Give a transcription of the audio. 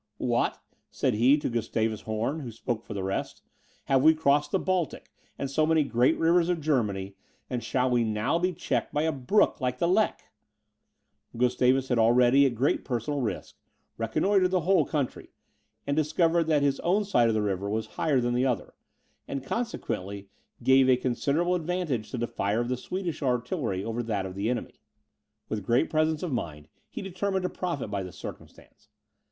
"What!" said he to Gustavus Horn, who spoke for the rest, "have we crossed the Baltic, and so many great rivers of Germany, and shall we now be checked by a brook like the Lech?" Gustavus had already, at great personal risk, reconnoitred the whole country, and discovered that his own side of the river was higher than the other, and consequently gave a considerable advantage to the fire of the Swedish artillery over that of the enemy. With great presence of mind he determined to profit by this circumstance.